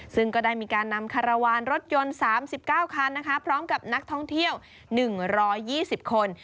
ซึ่งก็ได้มีการนำคารวาลรถยนต์๓๙คันพร้อมกับนักท่องเที่ยว๑๒๐คน